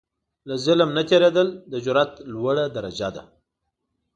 له ظلم نه تېرېدل، د جرئت لوړه درجه ده.